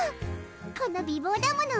この美ぼうだもの。